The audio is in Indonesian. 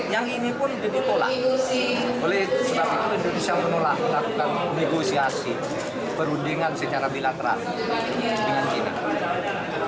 yang ini pun jadi tolak oleh sebab itu indonesia menolak melakukan negosiasi perundingan secara bilateral dengan china